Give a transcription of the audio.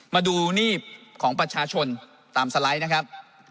มาดูหนี้ของประชาชนตามสไลด์นะครับ